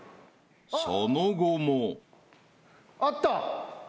［その後も］あった。